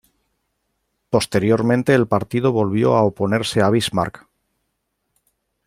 Posteriormente el partido volvió a oponerse a Bismarck.